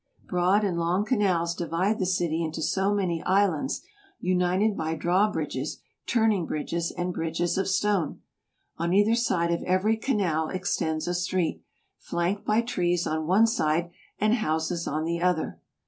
Broad and long canals divide the city into so many islands, united by draw bridges, turning bridges, and bridges of stone. On either side of every canal extends a street, flanked by trees on one side and houses on the other.